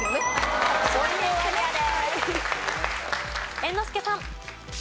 猿之助さん。